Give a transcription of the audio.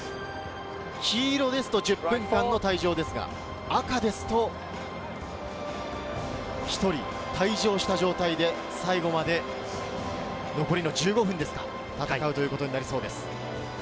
黄色ですと１０分間の退場ですが、赤ですと１人退場した状態で最後まで残りの１５分、戦うことになりそうです。